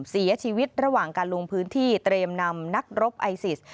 เสียชีวิตระหว่างการลงพื้นที่เตรียมนำนักรบไอซิส